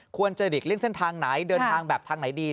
ควรจะหลีกเลี่ยงเส้นทางไหนเดินทางแบบทางไหนดี